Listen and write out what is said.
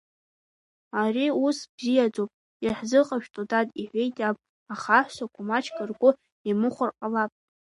Ари ус бзиаӡоуп, иаҳзыҟашәҵо, дад, — иҳәеит иаб, аха аҳәсақәа маҷк ргәы иамыхәар ҟалап!